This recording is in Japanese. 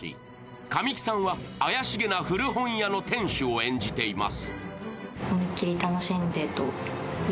神木さんは怪しげな古本屋の店主を演じています。